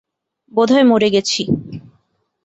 বোধহয় মরে গেছি।